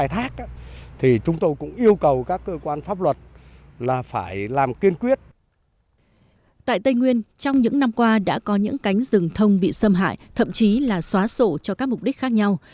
tại tây nguyên trong những năm qua đã có những cánh rừng thông bị xâm hại thậm chí là xóa sổ cho các mục đích khác nhau